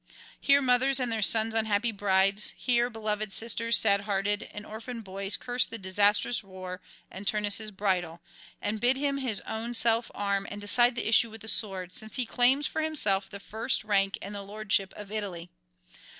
Here mothers and their sons' unhappy brides, here beloved sisters sad hearted and orphaned boys curse the disastrous war and Turnus' bridal, and bid him his own self arm and decide the issue with the sword, since he claims for himself the first rank and the lordship of Italy.